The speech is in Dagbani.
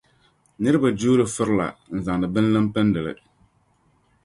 Nira bi juuri firila n-zaŋdi bin liŋa m-pindi li.